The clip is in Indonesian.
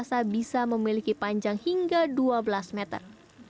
kedua hiu paus ini memiliki panjang hingga dua belas meter